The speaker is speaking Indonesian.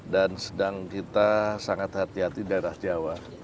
dan sedang kita sangat hati hati daerah jawa